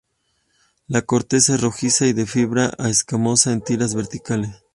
La corteza es rojiza, y de fibrosa a escamosa en tiras verticales.